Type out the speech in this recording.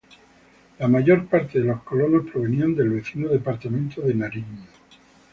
La mayor parte de los colonos provenían del vecino departamento de Nariño.